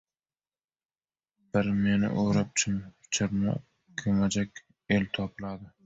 — Bir meni o‘rab-chirmab ko‘majak el topiladi.